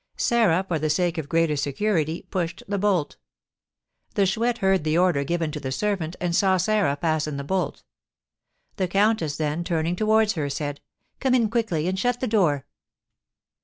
Sarah, for the sake of greater security, pushed to the bolt. The Chouette heard the order given to the servant, and saw Sarah fasten the bolt. The countess then turning towards her, said: "Come in quickly, and shut the door."